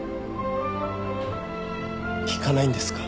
引かないんですか？